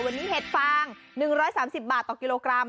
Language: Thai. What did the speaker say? วันนี้เห็ดฟาง๑๓๐บาทต่อกิโลกรัม